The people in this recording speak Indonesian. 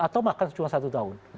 atau bahkan cuma satu tahun